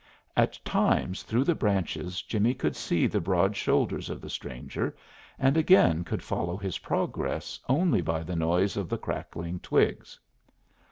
At times through the branches Jimmie could see the broad shoulders of the stranger, and again could follow his progress only by the noise of the crackling twigs.